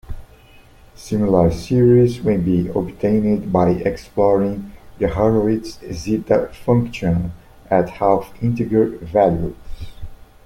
Similar series may be obtained by exploring the Hurwitz zeta function at half-integer values.